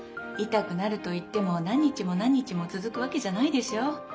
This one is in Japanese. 痛くなるといっても何日も何日も続くわけじゃないでしょう。